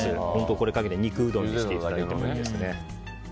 これかけて肉うどんにしていただいてもいいですね。